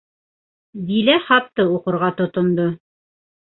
Дилә хатты уҡырға тотондо: